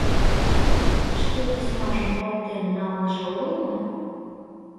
Шке письмажым руалтен налнеже огыл мо?